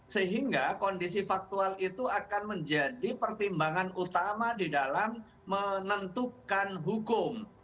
sehingga kondisi faktual itu akan menjadi pertimbangan utama di dalam menentukan hukum